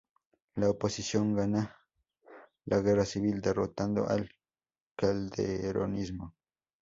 La oposición gana la guerra civil derrotando al calderonismo.